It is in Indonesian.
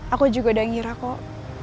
aku juga udah ngira kok